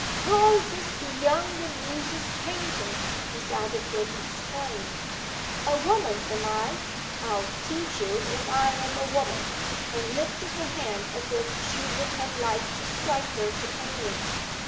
'Possest beyond the Muse's painting,' Miss Aldclyffe exclaimed 'A Woman, am I! I'll teach you if I am a Woman!' and lifted her hand as if she would have liked to strike her companion.